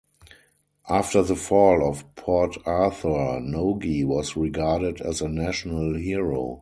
After the fall of Port Arthur, Nogi was regarded as a national hero.